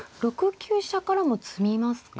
６九飛車からも詰みますか。